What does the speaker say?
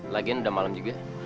lagian udah malem juga